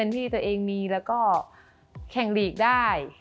ที่ตัวเองมีแล้วก็แข่งลีกได้